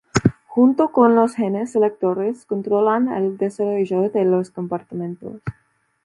Junto con los genes selectores controlan el desarrollo de los compartimentos.